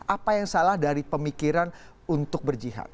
apa yang salah dari pemikiran untuk berjihad